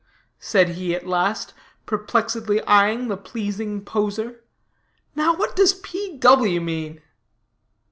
said he at last, perplexedly eying the pleasing poser, "now what does P. W. mean?"